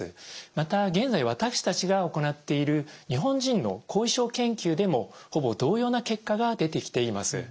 また現在私たちが行っている日本人の後遺症研究でもほぼ同様な結果が出てきています。